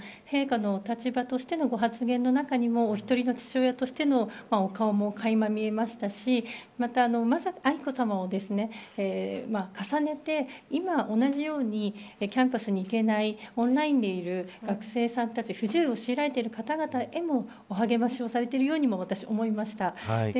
陛下のお立場としてのご発言の中にもお一人の父親としてのお顔も、かいま見えましたし愛子さまも重ねて、今同じようにキャンパスに行けないオンラインでいる学生さんたち不自由を強いられている方へのお励ましをされているようにも見られました。